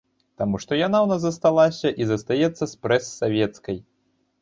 Таму што яна ў нас засталася і застаецца спрэс савецкай.